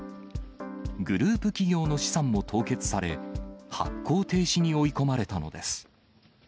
グループ企業の資産も凍結され、発行停止に追い込まれたのです。